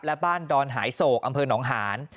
และบ้านดอนหายโศกอำเภอหนองหาน